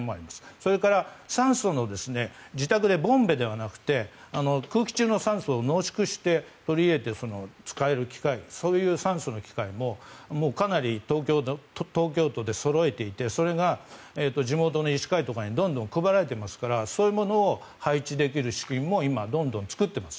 それから酸素自宅でボンベではなくて空気中の酸素を濃縮して取り入れられる機械そういう酸素の機械もかなり東京都でそろえていてそれが地元の医師会とかにどんどん配られていますからそういうものを配置できる仕組みもどんどん作っています。